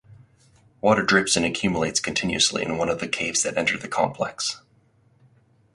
Water drips and accumulates continuously in one of the caves that enter the complex.